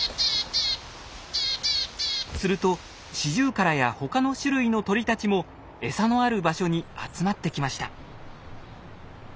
するとシジュウカラや他の種類の鳥たちもエサのある場所に集まってきました。